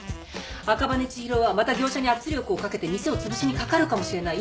赤羽千尋はまた業者に圧力をかけて店をつぶしにかかるかもしれない。